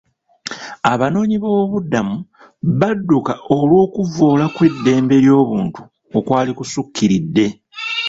Abanoonyiboobubudamu badduka olw'okuvvoola kw'eddembe ly'obuntu okwali kusukkiridde.